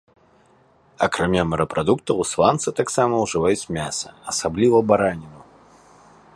Акрамя морапрадуктаў ісландцы таксама ўжываюць мяса, асабліва бараніну.